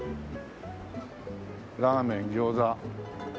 ラーメン餃子。